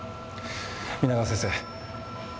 皆川先生。